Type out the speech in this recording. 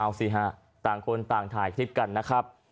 เอาสิฮะต่างคนต่างถ่ายคลิปกันนะครับ